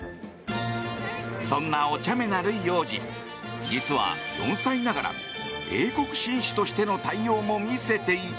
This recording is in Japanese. そんな、おちゃめなルイ王子実は４歳ながら英国紳士としての対応も見せていた。